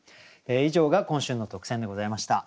以上が今週の特選でございました。